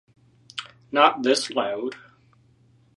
Not this loud!